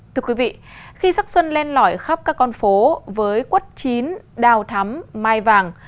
thưa quý vị khi sắc xuân lên lõi khắp các con phố với quất chín đào thắm mai vàng